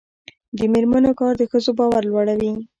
د میرمنو کار د ښځو باور لوړوي.